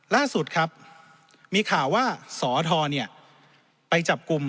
ล่าสุดครับมีข่าวว่าสอทไปจับกลุ่ม